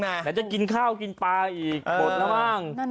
น่ะจะกินข้าวกินปลาอีกบทแล้วบ้าง